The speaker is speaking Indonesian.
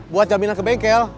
buat jaminan ke bengkel